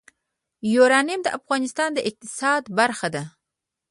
یورانیم د افغانستان د اقتصاد برخه ده.